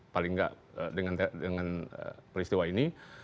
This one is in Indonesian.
paling nggak dengan peristiwa ini